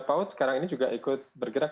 paud sekarang ini juga ikut bergerak